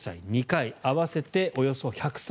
２回合わせておよそ１３６万。